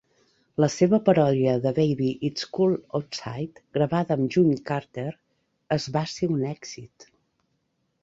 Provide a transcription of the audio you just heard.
La seva paròdia de "Baby It's Cold Outside", gravada amb June Carter, es va ser un èxit.